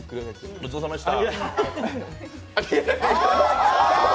ごちそうさまでした。